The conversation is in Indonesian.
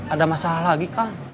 ada masalah lagi kang